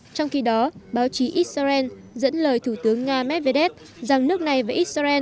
trong khi đó báo chí israel dẫn lời thủ tướng nga medvedev rằng nước này và israel